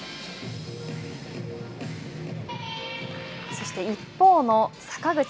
そして一方の坂口。